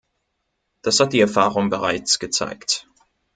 Das hat die Erfahrung bereits gezeigt.